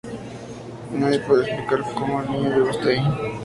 Nadie puede explicar como fue que el niño llegó hasta ahí.